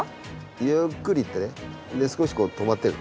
ゆーっくり行ってで少し止まってる。